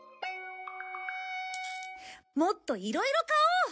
もっといろいろ買おう！